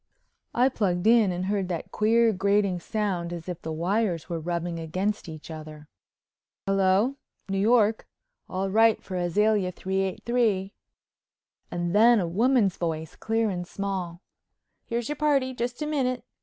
I plugged in and heard that queer grating sound as if the wires were rubbing against each other: "Hello, New York. All right for Azalea 383." And then a woman's voice, clear and small. "Here's your party. Just a minute.